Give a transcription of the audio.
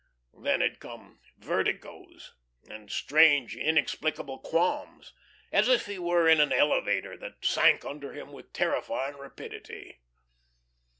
Then had come vertigoes and strange, inexplicable qualms, as if he were in an elevator that sank under him with terrifying rapidity.